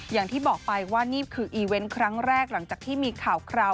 อย่างที่บอกไปว่านี่คืออีเวนต์ครั้งแรกหลังจากที่มีข่าวคราว